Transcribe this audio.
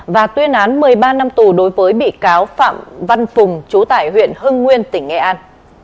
và tuyên án một mươi ba năm tù đối với bị cáo phạm văn phùng chú tại huyện hưng nguyên tỉnh nghệ an